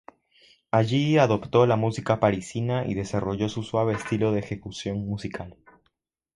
Allí adoptó la música parisina y desarrolló su suave estilo de ejecución musical.